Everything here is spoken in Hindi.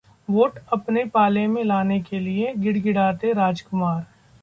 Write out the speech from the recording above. वोट अपने पाले में लाने के लिए गिड़गिड़ाते राजकुमार